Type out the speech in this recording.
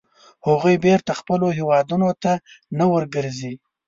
هغوی بېرته خپلو هیوادونو ته نه ورګرځي.